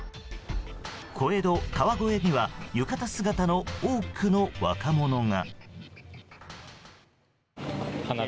小江戸・川越には浴衣姿の多くの若者が。